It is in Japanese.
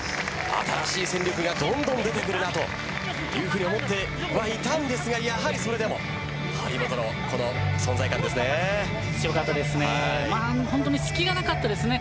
新しい戦力がどんどん出てくるなというふうに思ってはいたんですがやはりそれでも強かったですね。